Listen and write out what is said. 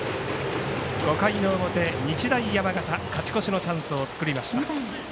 ５回の表、日大山形勝ち越しのチャンスを作りました。